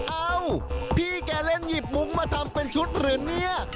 เอ้าพี่แกเล่นหยิบมุ้งมาทำเป็นชุดหรือเนี่ย